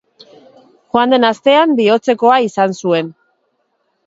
Joan den astean bihotzekoa izan zuen.